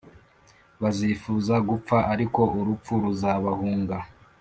bazifuza gupfa ariko urupfu ruzabahunga.